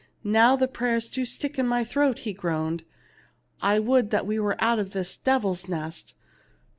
"Now the prayers do stick in my throat," he groaned. " I would we were out of this devil's nest